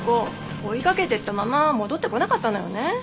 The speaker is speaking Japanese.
追いかけてったまま戻ってこなかったのよね。